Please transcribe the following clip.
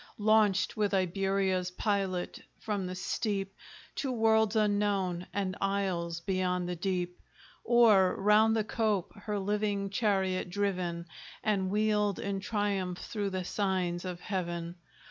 Launched with Iberia's pilot from the steep, To worlds unknown, and isles beyond the deep? Or round the cope her living chariot driven, And wheeled in triumph through the signs of Heaven?